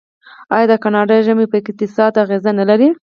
آیا د کاناډا ژمی په اقتصاد اغیز نلري؟